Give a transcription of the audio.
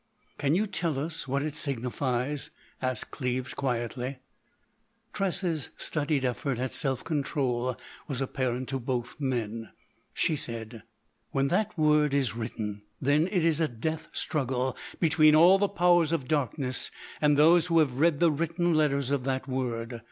"Can you tell us what it signifies?" asked Cleves, quietly. Tressa's studied effort at self control was apparent to both men. She said: "When that word is written, then it is a death struggle between all the powers of Darkness and those who have read the written letters of that word....